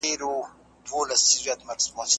اسلام د بشري ژوند لپاره غوره نظام دی.